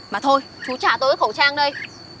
mà thôi chú trả tôi cái khẩu trang đây